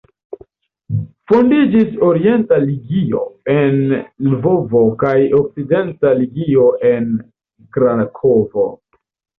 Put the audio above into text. Fondiĝis Orienta Legio en Lvovo kaj Okcidenta Legio en Krakovo.